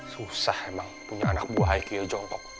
susah emang punya anak buah ike jongkok